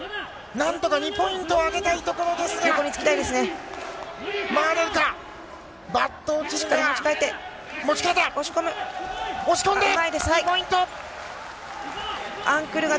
なんとか２ポイントあげたいところですが。